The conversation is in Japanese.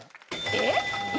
えっ？